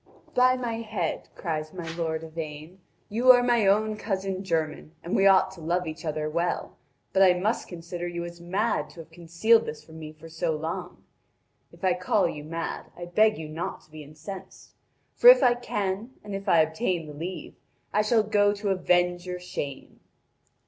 (Vv. 581 648.) "By my head," cries my lord Yvain, "you are my own cousin german, and we ought to love each other well. But I must consider you as mad to have concealed this from me so long. If I call you mad, I beg you not to be incensed. For if I can, and if I obtain the leave, I shall go to avenge your shame."